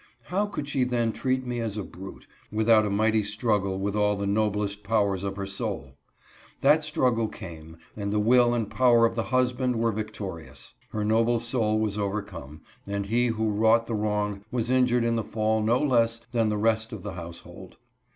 How could she then treat me as a brute, without a mighty struggle with all the noblest powers of her soul ? That struggle came, and the will and power of the husband were victorious. Her noble soul was overcome, and he who wrought the wrong was injured in the fall no less than the rest of the household.